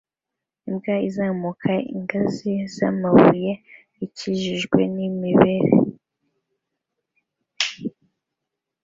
Imbwa izamuka ingazi zamabuye ikikijwe nibimera